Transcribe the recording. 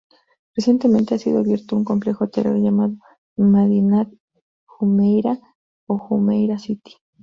Recientemente ha sido abierto un complejo hotelero llamado Madinat Jumeirah, o "Jumeirah City,".